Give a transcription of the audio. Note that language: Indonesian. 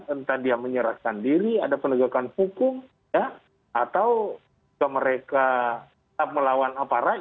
entah dia menyerahkan diri ada penegakan hukum atau mereka tetap melawan aparat